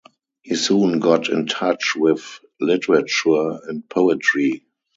He soon got in touch with literature and poetry.